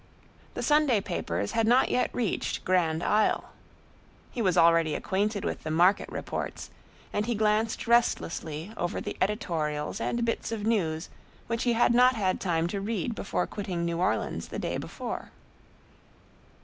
The Sunday papers had not yet reached Grand Isle. He was already acquainted with the market reports, and he glanced restlessly over the editorials and bits of news which he had not had time to read before quitting New Orleans the day before.